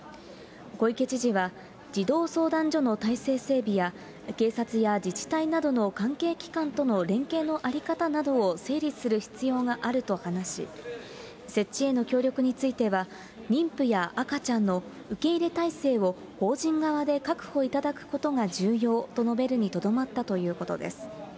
小池知事は児童相談所の体制整備や、警察や自治体などの関係機関との連携の在り方などを整理する必要があると話し、設置への協力については、妊婦や赤ちゃんの受け入れ体制を法人側で確保いただくことが重要と述べるにとどまったということです。